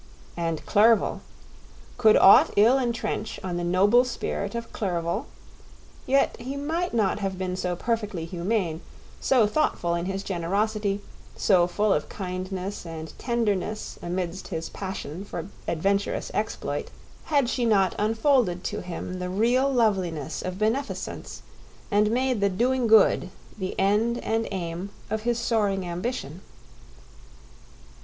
And Clerval—could aught ill entrench on the noble spirit of Clerval? Yet he might not have been so perfectly humane, so thoughtful in his generosity, so full of kindness and tenderness amidst his passion for adventurous exploit, had she not unfolded to him the real loveliness of beneficence and made the doing good the end and aim of his soaring ambition.